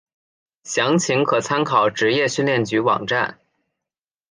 详情可参考职业训练局网站。